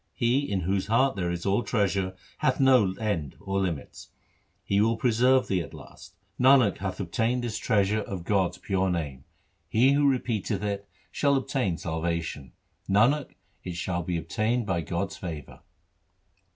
He in whose heart there is all treasure Hath no end or limits. He will preserve thee at last. Nanak hath obtained this treasure 26 THE SIKH RELIGION Of God's pure name. He who repeateth it shall obtain salvation. Nanak, it shall be obtained by God's favour.